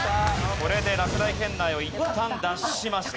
これで落第圏内をいったん脱しました。